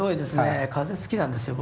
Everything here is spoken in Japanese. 風好きなんですよ